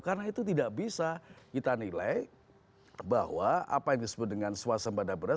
karena itu tidak bisa kita nilai bahwa apa yang disebut dengan suasana pada beras